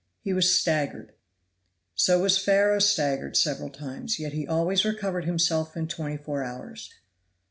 He was staggered. So was Pharaoh staggered several times, yet he always recovered himself in twenty four hours.